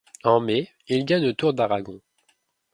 En mai, il gagne le Tour d'Aragon.